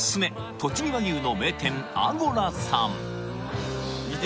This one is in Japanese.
とちぎ和牛の名店阿吾羅さん